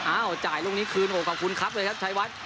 อ้าวจ่ายลูกนี้คืนโอ้โหขอบคุณครับเลยครับชัยวัด